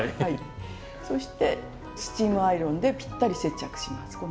そしてスチームアイロンでぴったり接着します。